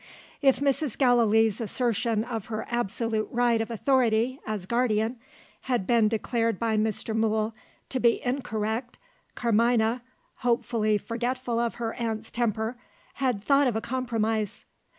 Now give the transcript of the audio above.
If Mrs. Gallilee's assertion of her absolute right of authority, as guardian, had been declared by Mr. Mool to be incorrect, Carmina (hopefully forgetful of her aunt's temper) had thought of a compromise.